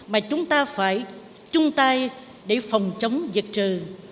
mà chúng ta phải chung tay để phòng chống dịch trừ